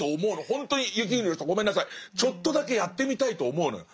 ほんとに雪国の人ごめんなさいちょっとだけやってみたいと思うのよ。